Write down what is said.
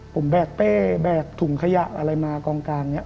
ผมแบกเป้แบกถุงขยะอะไรมากองกลางเนี่ย